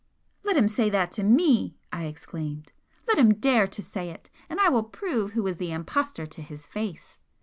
"Let him say that to ME!" I exclaimed "Let him dare to say it! and I will prove who is the impostor to his face!"